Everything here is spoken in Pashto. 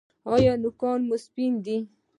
ایا نوکان مو سپین دي؟